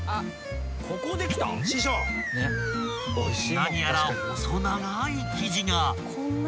［何やら細長い生地が］